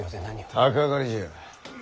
鷹狩りじゃ。